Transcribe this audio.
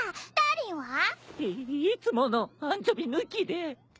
いいつものアンチョビ抜きで。